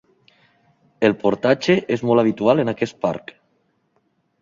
El portatge és molt habitual en aquest parc.